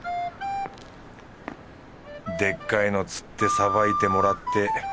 でっかいの釣ってさばいてもらって。